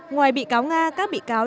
ngoài bị cáo nga các bị cáo